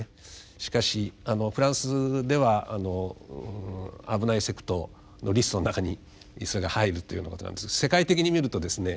しかしフランスでは危ないセクトのリストの中にそれが入るというようなことなんですが世界的に見るとですね